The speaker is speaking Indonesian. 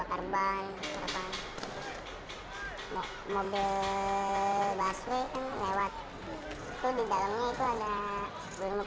kan ada yang bantu